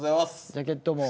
ジャケットも。